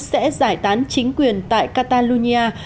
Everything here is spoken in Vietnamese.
sẽ giải tán chính quyền tại catalonia